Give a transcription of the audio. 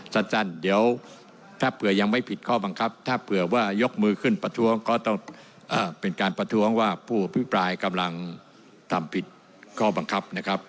สั้นเดี๋ยวถ้าเผื่อยังไม่ผิดข้อบังคับถ้าเผื่อว่ายกมือขึ้นประท้วงก็ต้องเป็นการประท้วงว่าผู้อภิปรายกำลังทำผิดข้อบังคับนะครับ